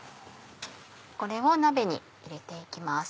これを鍋に入れて行きます。